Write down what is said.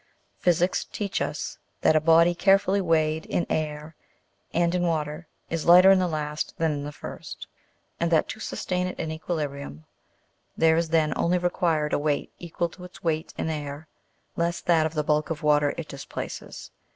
Physics teach us that a body carefully weighed in air and in water, is lighter in the last than in the first, and that, to sustain it in equilibrium, there is then only required a weight equal to its weight in air, less that of the bulk of water it displaces.